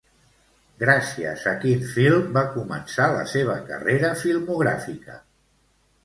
Gràcies a quin film va començar la seva carrera filmogràfica?